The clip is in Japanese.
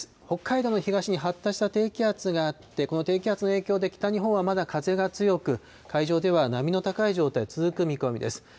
北海道の東に発達した低気圧があって、この低気圧の影響で北日本はまだ風が強く、海上では波の高い状態、続く見込みです。